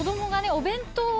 お弁当を。